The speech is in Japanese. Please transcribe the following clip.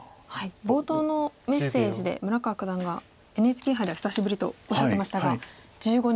冒頭のメッセージで村川九段が「ＮＨＫ杯では久しぶり」とおっしゃってましたが１５年ぶりの。